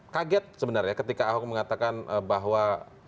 kaget sebenarnya ketika ahok mengatakan bahwa